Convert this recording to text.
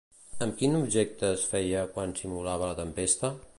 Amb quin objecte ho feia quan simulava la tempesta?